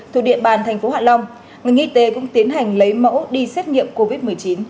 thuộc địa bàn thành phố hạ long ngành y tế cũng tiến hành lấy mẫu đi xét nghiệm covid một mươi chín